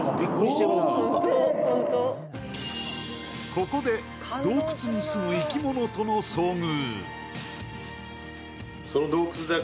ここで、洞窟にすむ生き物との遭遇。